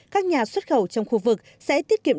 các nhà xuất khẩu trong khu vực sẽ tiết kiệm